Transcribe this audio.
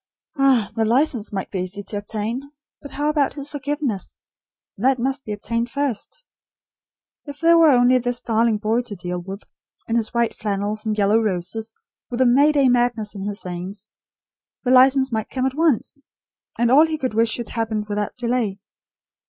Ah, the license might be easy to obtain; but how about his forgiveness? That must be obtained first. If there were only this darling boy to deal with, in his white flannels and yellow roses, with a May Day madness in his veins, the license might come at once; and all he could wish should happen without delay.